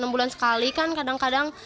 enam bulan sekali kan kadang kadang